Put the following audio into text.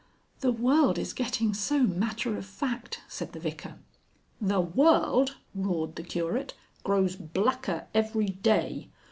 "The world is getting so matter of fact," said the Vicar. "The world," roared the Curate, "grows blacker every day.